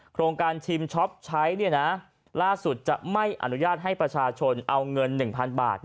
โครงการชิมช็อปใช้ล่าสุดจะไม่อนุญาตให้ประชาชนเอาเงิน๑๐๐๐บาท